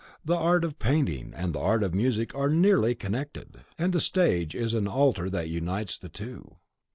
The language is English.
The art of painting and the art of music are nearly connected, and the stage is an altar that unites the two."